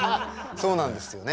そうなんですよね